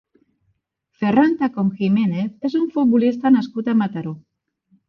Ferrán Tacón Jiménez és un futbolista nascut a Mataró.